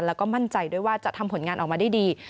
แล้วก็มั่นใจด้วยว่าจะทำผลงานออกมาได้ดี